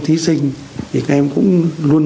thí sinh thì các em cũng luôn